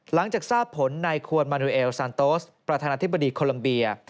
หลังจากทราบผลในควนมานูเอลซานโตสประธานาธิบดีโคลัมเบีย